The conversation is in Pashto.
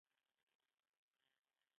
دا پښتو وييکي په ژبه کې سته.